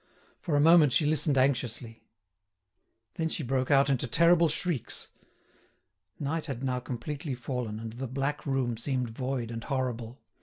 For a moment she listened anxiously. Then she broke out into terrible shrieks. Night had now completely fallen, and the black room seemed void and horrible.